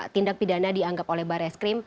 tindak pidana dianggap oleh barreskrim